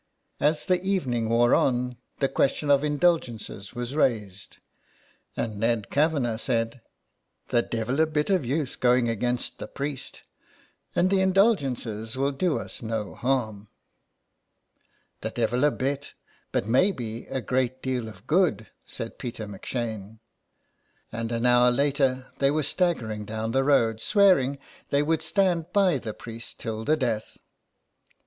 As the evening wore on the question of indulgences was raised, and Ned Kavanagh said: —" The devil a bit of use going against the priest, and the indulgences will do us no harm.'' " The devil a bit, but maybe a great deal of good," said Peter M 'Shane, and an hour later they were staggering down the road swearing they would stand by the priest till the death.